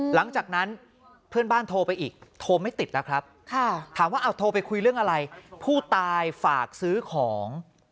หลังจากนั้นเพื่อนบ้านโทรไปอีกโทรไม่ติดแล้วครับถามว่าเอาโทรไปคุยเรื่องอะไรผู้ตายฝากซื้อของ